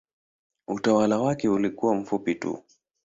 Utawala wake ulikuwa mfupi tu.